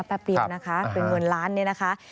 แปบเดียวนะคะเป็น๑๐๐๐๐๐๐๐บาทนะคะ